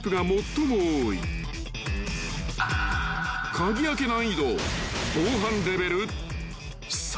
［鍵開け難易度防犯レベル３］